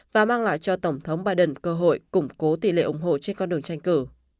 và mang lại cho tổng thống biden cơ hội củng cố tỷ lệ ủng hộ trên con đường tranh cử